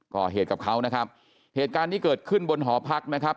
ก่อเหตุกับเขานะครับเหตุการณ์นี้เกิดขึ้นบนหอพักนะครับ